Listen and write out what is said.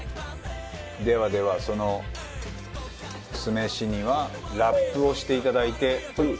ではではその酢飯にはラップをしていただいて。